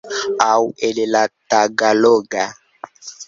Aŭ el la tagaloga.